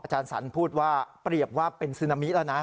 สันพูดว่าเปรียบว่าเป็นซึนามิแล้วนะ